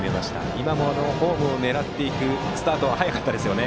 今もホームを狙っていくスタートは早かったです。